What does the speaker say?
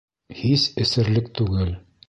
Һис эсерлек түгел.